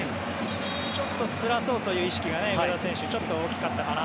ちょっとすらそうという意識が上田選手はちょっと大きかったかな